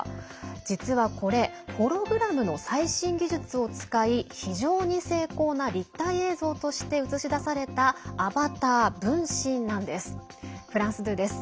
実はこれホログラムの最新技術を使い非常に精巧な立体映像として映し出されたアバター分身なんです。